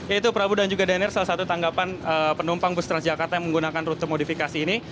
itu prabu dan juga daniel salah satu tanggapan penumpang bus transjakarta yang menggunakan rute modifikasi ini